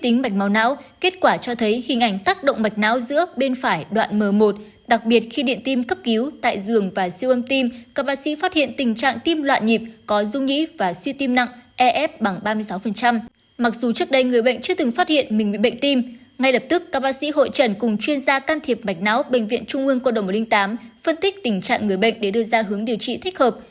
mặc dù trước đây người bệnh chưa từng phát hiện mình bị bệnh tim ngay lập tức các bác sĩ hội trần cùng chuyên gia can thiệp mạch não bệnh viện trung ương cộng đồng một trăm linh tám phân tích tình trạng người bệnh để đưa ra hướng điều trị thích hợp